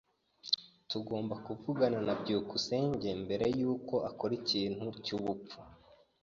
Tugomba kuvugana na byukusenge mbere yuko akora ikintu cyubupfu.